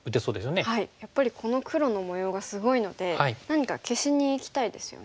やっぱりこの黒の模様がすごいので何か消しにいきたいですよね。